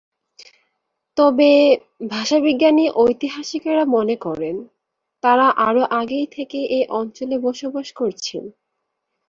তবে ভাষাবিজ্ঞানী ও ঐতিহাসিকেরা মনে করেন তারা আরও আগে থেকে এই অঞ্চলে বসবাস করছে।